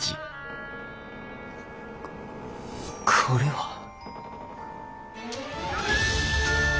これは。